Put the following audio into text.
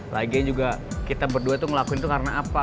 lagian juga kita berdua ngelakuin itu karena apa